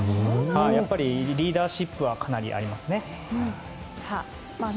やっぱり、リーダーシップはかなりありますね。